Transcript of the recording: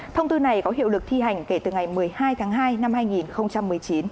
thông tư này có hiệu lực thi hành kể từ ngày một mươi hai tháng hai năm hai nghìn một mươi chín